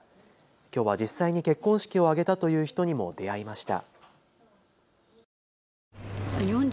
きょうは実際に結婚式を挙げたという人にも出会いました。